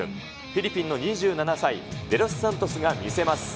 フィリピンの２７歳、デロスサントスが見せます。